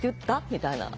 みたいな。